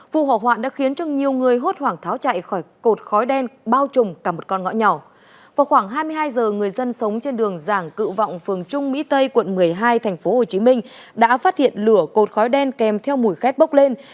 khoảng hai mươi hai giờ người dân sống trên đường giảng cựu vọng phường trung mỹ tây quận một mươi hai tp hcm đã phát hiện lửa cột khói đen kèm theo mùi khét bốc lên